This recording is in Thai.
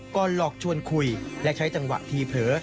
หลอกชวนคุยและใช้จังหวะทีเผลอ